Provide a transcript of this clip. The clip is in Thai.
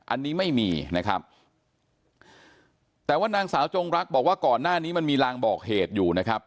อันนี้ไม่มีนะครับแต่ว่านางสาวจงรักบอกว่าก่อนหน้านี้มันมีลางบอกเหตุอยู่นะครับ